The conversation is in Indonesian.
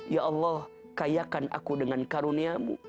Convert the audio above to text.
ya allah kayakan aku dengan karuniamu